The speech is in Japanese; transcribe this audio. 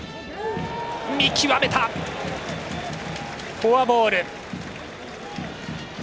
フォアボール。